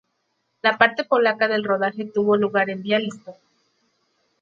La parte polaca del rodaje tuvo lugar en Białystok.